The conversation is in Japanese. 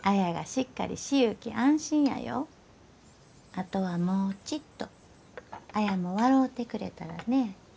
あとはもうちっと綾も笑うてくれたらね。